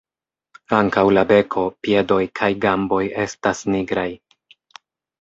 Ankaŭ la beko, piedoj kaj gamboj estas nigraj.